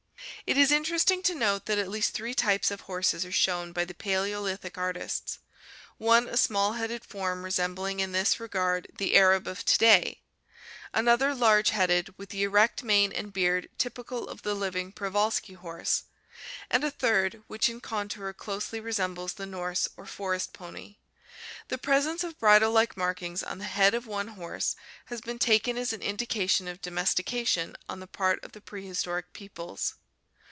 It is interesting to note that at least three types of horses are shown by the Paleolithic artists: one a small headed form resembling in this regard the Arab of today, another large headed, with the erect mane and beard typical of the living Prejvalski horse, and a third which in contour closely resembles the Norse or forest pony. The presence of bridle like markings on the head of one horse has been taken as an indication of domestication on the part of the prehistoric peoples.